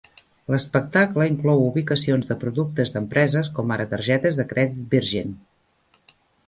L'espectacle inclou ubicacions de productes d'empreses com ara targetes de crèdit Virgin.